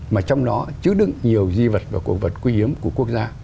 mà trong nó chứa đựng nhiều di vật và cuộc vật quý hiếm của quốc gia